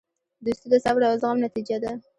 دوستي د صبر او زغم نتیجه ده.